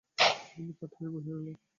আমি কাঠ হয়ে বসে রইলাম।